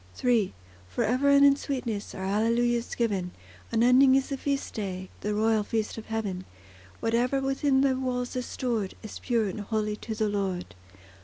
III For ever and in sweetness Are Alleluias given; Unending is the feast day, The royal feast of heaven; Whate'er within thy walls is stored, Is pure and holy to the Lord.